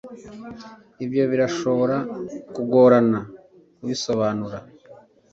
Ibyo birashobora kugorana kubisobanura